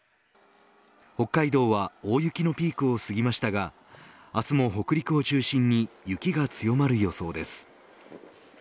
北海道は大雪のピークを過ぎましたが明日も北陸を中心に雪が強まる予想です。